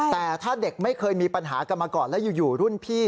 แต่ถ้าเด็กไม่เคยมีปัญหากันมาก่อนแล้วอยู่รุ่นพี่